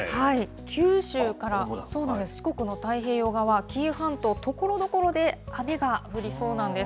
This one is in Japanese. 九州から、そうなんです、四国の太平洋側、紀伊半島、ところどころで雨が降りそうなんです。